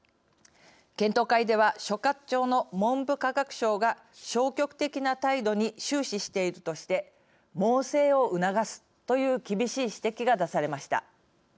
検討会では所轄庁の文部科学省が消極的な態度に終始しているとして猛省を促すという厳しい指摘が出されました。